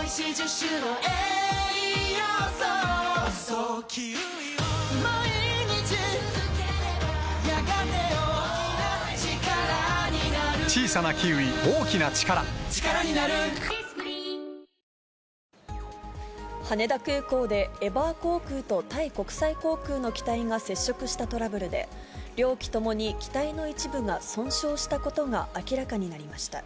最高の渇きにＤＲＹ羽田空港でエバー航空とタイ国際航空の機体が接触したトラブルで、両機ともに機体の一部が損傷したことが明らかになりました。